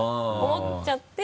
思っちゃって。